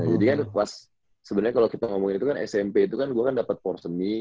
jadi kan pas sebenarnya kalau kita ngomongin itu kan smp itu kan gue kan dapat ports of me